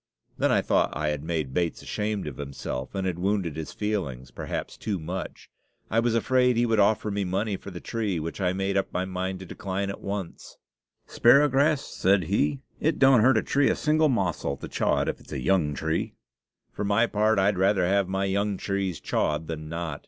Then I thought I had made Bates ashamed of himself, and had wounded his feelings, perhaps, too much. I was afraid he would offer me money for the tree, which I made up my mind to decline at once. "Sparrowgrass," said he, "it don't hurt a tree a single mossel to chaw it if it's a young tree. For my part, I'd rather have my young trees chawed than not.